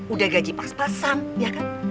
udah gaji pas pasan ya kan